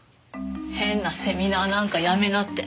変なセミナーなんか辞めなって。